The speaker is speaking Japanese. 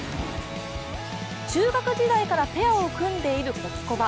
中学時代からペアを組んでいるホキコバ。